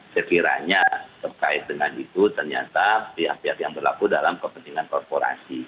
sekiranya terkait dengan itu ternyata pihak pihak yang berlaku dalam kepentingan korporasi